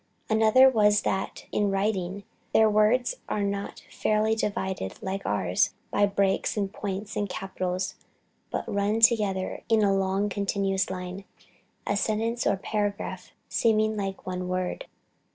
Another was that in writing, "their words are not fairly divided like ours by breaks, and points, and capitals, but run together in a long continuous line, a sentence or paragraph seeming like one long word."